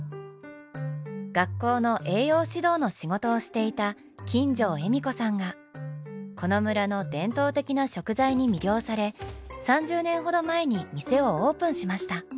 学校の栄養指導の仕事をしていた金城笑子さんがこの村の伝統的な食材に魅了され３０年ほど前に店をオープンしました。